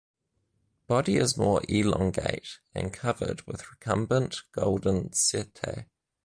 Body is more elongate and covered with recumbent golden setae.